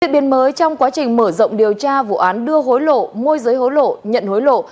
biên mới trong quá trình mở rộng điều tra vụ án đưa hối lộ môi giới hối lộ nhận hối lộ